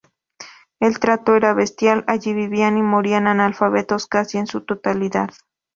El trato era bestial, allí vivían y morían analfabetos casi en su totalidad.